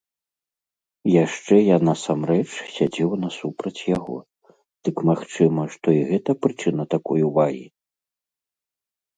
Яшчэ я насамрэч сядзеў насупраць яго, дык магчыма, што і гэта прычына такой увагі.